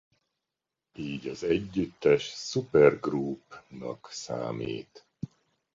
Így az együttes supergroup-nak számít.